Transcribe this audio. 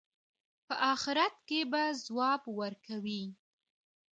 په آخرت کې به ځواب ورکوي.